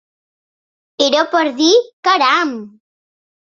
Era per dir: "Caram!".